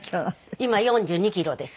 今４２キロです。